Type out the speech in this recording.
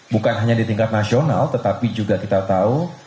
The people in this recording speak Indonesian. bukan hanya di tingkat nasional tetapi juga kita tahu